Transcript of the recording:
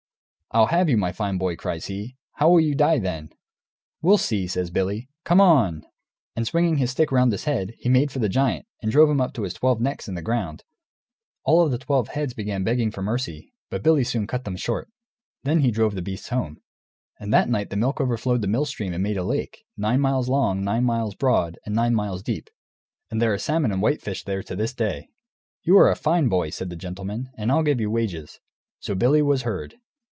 "I'll have you, my fine boy," cries he; "how will you die, then?" "We'll see," says Billy; "come on!" And swinging his stick round his head, he made for the giant, and drove him up to his twelve necks in the ground. All twelve of the heads began begging for mercy, but Billy soon cut them short. Then he drove the beasts home. And that night the milk overflowed the mill stream and made a lake, nine miles long, nine miles broad, and nine miles deep; and there are salmon and whitefish there to this day. "You are a fine boy," said the gentleman, "and I'll give you wages." So Billy was herd.